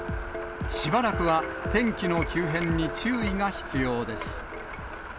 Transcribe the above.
しばらくは天気の急変に注意が必要です。